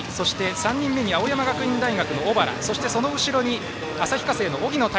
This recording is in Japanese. ３人目に青山学院大学の小原そして旭化成の荻野太